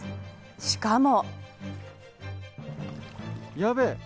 しかも。